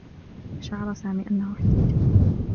شعر سامي أنّه احتيج.